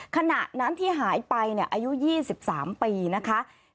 ขณะนั้นที่หายไปอายุ๒๓ปีนะคะ